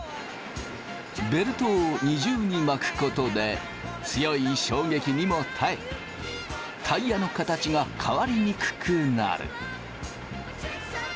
ベルトを２重に巻くことで強い衝撃にも耐えタイヤの形が変わりにくくなる。